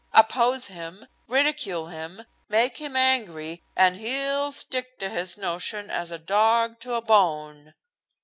Oppose him, ridicule him, make him angry, and he'll stick to his notion as a dog to a bone."